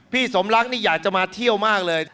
สมรักนี่อยากจะมาเที่ยวมากเลย